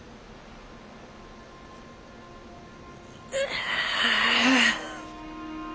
ああ。